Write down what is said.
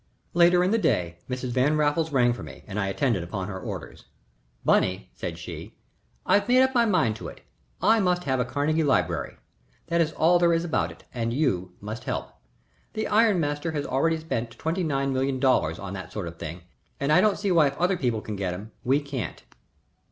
Later in the day, Mrs. Van Raffles rang for me and I attended upon her orders. "Bunny," said she, "I've made up my mind to it I must have a Carnegie library, that is all there is about it, and you must help. The iron master has already spent thirty nine million dollars on that sort of thing, and I don't see why if other people can get 'em we can't."